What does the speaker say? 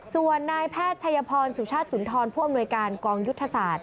ส่วนนายแพทย์ชัยพรสุชาติสุนทรผู้อำนวยการกองยุทธศาสตร์